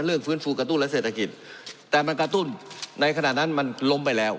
ฟื้นฟูกระตุ้นและเศรษฐกิจแต่มันกระตุ้นในขณะนั้นมันล้มไปแล้ว